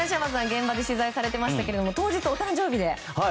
現場で取材されていましたが当日、お誕生日で。